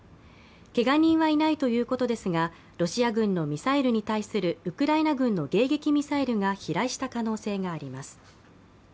けが人はいないということですが、ロシア軍のミサイルに対するウクライナ軍の迎撃ミサイルが飛来した可能性があります。